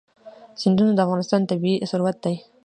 سیندونه د افغانستان طبعي ثروت دی.